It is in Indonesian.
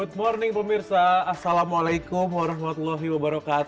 good morning pemirsa assalamualaikum wr wb